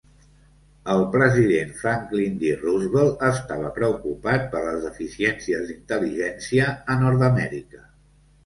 El president Franklin D. Roosevelt estava preocupat per les deficiències d'intel·ligència a Nord-Amèrica.